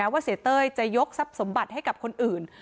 เสียเต้ยจะยกทรัพย์สมบัติให้กับคนอื่น